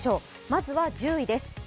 まずは１０位です。